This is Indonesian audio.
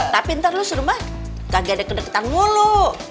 tapi ntar lo suruh mbak kagak ada kedekatan mulu